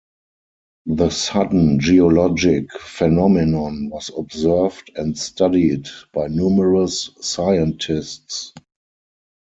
The sudden geologic phenomenon was observed and studied by numerous scientists.